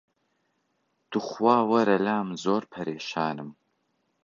توخوا وەرە لام زۆر پەرێشانم